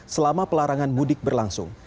selama pelarangan mudik berlangsung